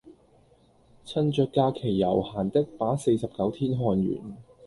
趁著假期悠閒的把四十九天看完